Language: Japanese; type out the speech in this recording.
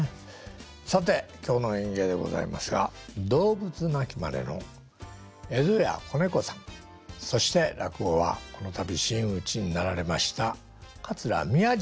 さて今日の演芸でございますが動物鳴きまねの江戸家小猫さんそして落語はこの度真打ちになられました桂宮治さんです。